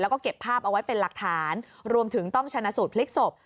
แล้วก็เก็บภาพเอาไว้เป็นหลักฐานรวมถึงต้องชนะสูตรพลิกศพ